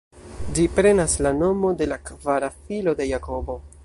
Ĝi prenas la nomo de la kvara filo de Jakobo.